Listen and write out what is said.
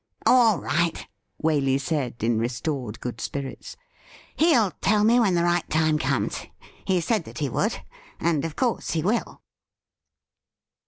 ' All right,' Waley said, in restored good spirits ;' he'll tell me when the right time comes. He said that he would, and of course he will.'